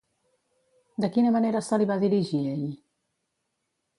De quina manera se li va dirigir ell?